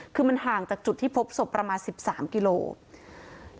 คือมันห่างจากจุดที่พบศพประมาณ๑๓กิโลกรัม